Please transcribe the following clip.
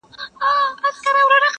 ماچي سکروټي په غاښو چیچلې؛